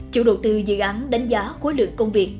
chủ đầu tư dự án đánh giá khối lượng công việc